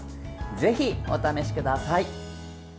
ぜひ、お試しください。